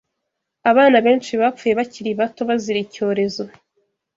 Abana benshi bapfuye bakiri bato bazira icyorezo.